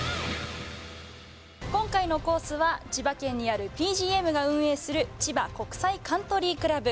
今回のコースは、千葉県にあるＰＧＭが運営する千葉国際カントリークラブ。